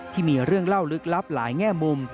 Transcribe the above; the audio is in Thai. ที่มีเรื่องเล่าลึกลับหลายแง่มุม